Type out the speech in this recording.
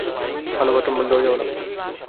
ভালো বাথরুম, দরজাওয়ালা।